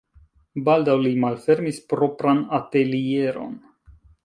Baldaŭ li malfermis propran atelieron.